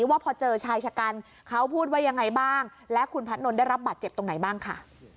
ว่าพอเจอชายชะกันเขาพูดว่ายังไงบ้างและคุณพัทนนท์ได้รับบาดเจ็บตรงไหนบ้างค่ะ